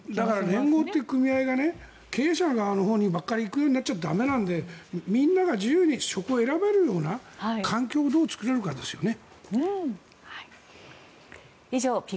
連合という組合が経営者のほうばかりに行くようになったら駄目なのでみんなが自由に職を選べるような環境をどう作れるかですよね。